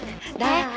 mundur mundur cantik